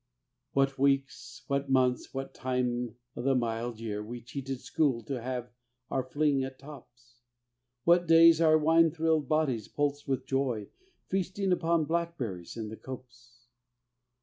What weeks, what months, what time o' the mild year We cheated school to have our fling at tops? What days our wine thrilled bodies pulsed with joy Feasting upon blackberries in the copse?